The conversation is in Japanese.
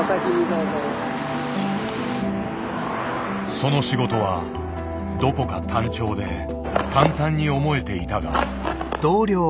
その仕事はどこか単調で簡単に思えていたが。